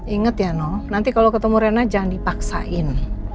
ingat ya no nanti kalau ketemu rena jangan dipaksain